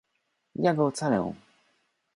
Ja go ocalę!